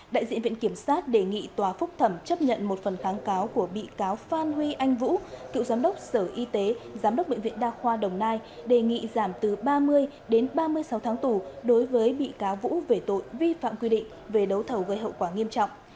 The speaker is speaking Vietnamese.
đại diện viện kiểm sát đề nghị tòa phúc thẩm chấp nhận một phần kháng cáo của bị cáo phan huy anh vũ cựu giám đốc sở y tế giám đốc bệnh viện đa khoa đồng nai đề nghị giảm từ ba mươi đến ba mươi sáu tháng tù đối với bị cáo vũ về tội vi phạm quy định về đấu thầu gây hậu quả nghiêm trọng